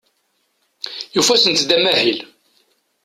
Yufa-asent-d amahil.